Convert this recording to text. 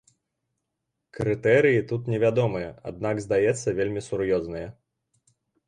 Крытэрыі тут не вядомыя, аднак, здаецца, вельмі сур'ёзныя.